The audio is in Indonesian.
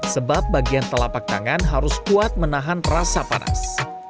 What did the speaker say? sebab bagian telapak tangan harus kuat menahan rasa panas